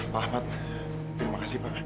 pak ahmad terima kasih banyak